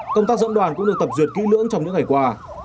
công tác dẫn đoàn cũng được tập duyệt kỹ lưỡng trong những ngày qua